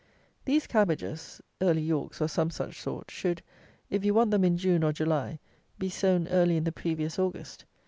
These cabbages (Early Yorks or some such sort) should, if you want them in June or July, be sown early in the previous August.